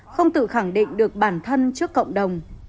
không tự khẳng định được bản thân trước cộng đồng